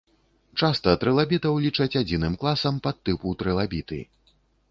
Часам трылабітаў лічаць адзіным класам падтыпу трылабіты.